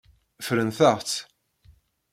Ffrent-aɣ-tt.